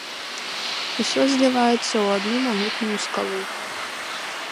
Усё зліваецца ў адну магутную скалу.